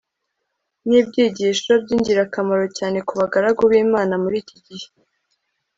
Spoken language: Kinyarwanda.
Ni ibyigisho byingirakamaro cyane ku bagaragu bImana muri iki gihe